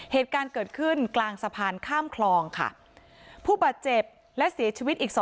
เหตุการณ์เกิดขึ้นกลางสะพานข้ามคลองค่ะผู้บาดเจ็บและเสียชีวิตอีก๒